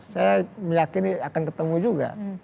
saya meyakini akan ketemu juga